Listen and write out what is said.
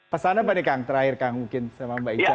pesan apa nih kang terakhir kang mungkin sama mbak ica